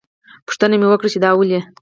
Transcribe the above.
پوښتنه مې وکړه چې دا ولې.